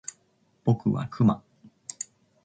僕はクマ